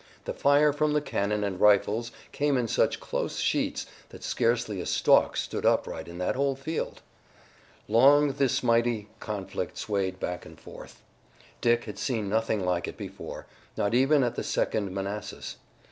The fire from the cannon and rifles came in such close sheets that scarcely a stalk stood upright in that whole field. Long this mighty conflict swayed back and forth. Dick had seen nothing like it before, not even at the Second Manassas.